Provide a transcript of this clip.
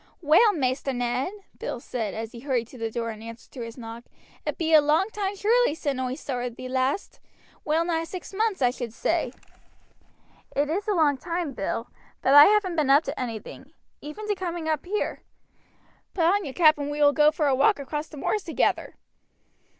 "Well, Maister Ned," Bill said as he hurried to the door in answer to his knock, "it be a long time surely sin oi saw thee last well nigh six months, I should say." "It is a long time, Bill, but I haven't been up to anything, even to coming up here. Put on your cap and we will go for a walk across the moors together."